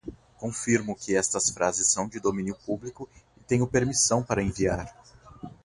Confirmo que estas frases são de domínio público e tenho permissão para enviar